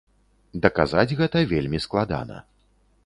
Даказаць гэта вельмі складана.